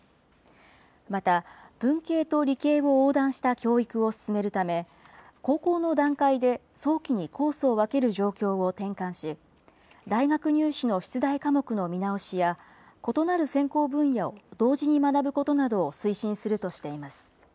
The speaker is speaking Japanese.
また、文系と理系を横断した教育を進めるため、高校の段階で早期にコースを分ける状況を転換し、大学入試の出題科目の見直しや、異なる専攻分野を同時に学ぶことなどを推進するとしています。